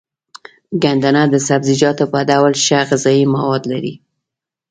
ګندنه د سبزيجاتو په ډول ښه غذايي مواد لري.